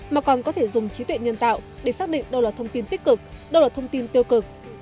mà còn có thể dùng trí tuệ nhân tạo để xác định đâu là thông tin tích cực đâu là thông tin tiêu cực